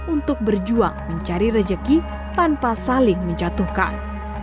untuk berjuang mencari rezeki tanpa saling menjatuhkan